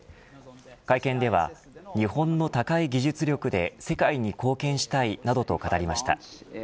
会見では日本の高い技術力で世界に貢献したいなどと語りました。